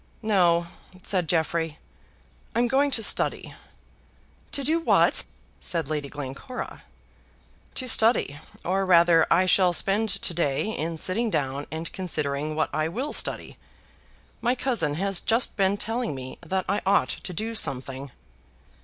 "No," said Jeffrey; "I'm going to study." "To do what?" said Lady Glencora. "To study; or rather I shall spend to day in sitting down and considering what I will study. My cousin has just been telling me that I ought to do something."